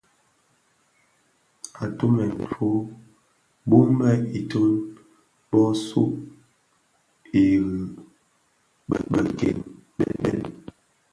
Atumèn fo bum be itöň bö sug ireňi beken bèn.